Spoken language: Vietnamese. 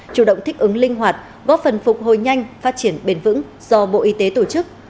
chủ động thích ứng linh hoạt góp phần phục hồi nhanh phát triển bền vững do bộ y tế tổ chức